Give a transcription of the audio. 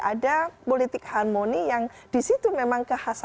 ada politik harmoni yang di situ memang kehasil